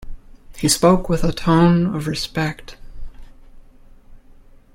He spoke with a tone of respect.